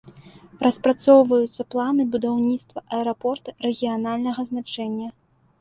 Распрацоўваюцца планы будаўніцтва аэрапорта рэгіянальнага значэння.